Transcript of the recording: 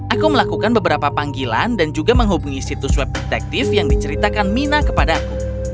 aku melakukan beberapa panggilan dan juga menghubungi situs web detektif yang diceritakan mina kepadaku